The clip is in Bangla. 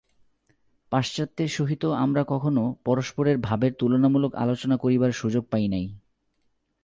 পাশ্চাত্যের সহিত আমরা কখনও পরস্পরের ভাবের তুলনামূলক আলোচনা করিবার সুযোগ পাই নাই।